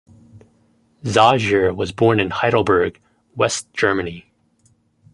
Zagier was born in Heidelberg, West Germany.